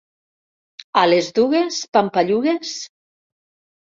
A les dugues, pampallugues?